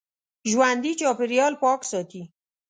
ژوندي چاپېریال پاک ساتي